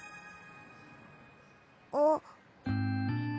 あっ。